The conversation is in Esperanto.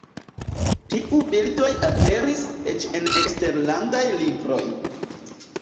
Tiuj bildoj aperis eĉ en eksterlandaj libroj.